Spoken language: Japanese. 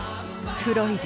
フロイデ！